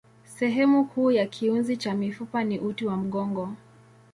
Sehemu kuu ya kiunzi cha mifupa ni uti wa mgongo.